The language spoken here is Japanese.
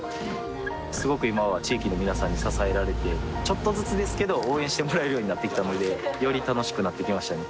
すごく今は地域の皆さんに支えられてちょっとずつですけど応援してもらえるようになってきたのでより楽しくなってきましたね